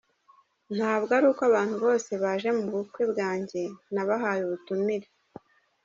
Ntabwo ari uko abantu bose baje mu bukwe bwanjye nabahaye ubutumire.